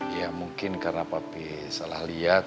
ya mungkin karena papa salah lihat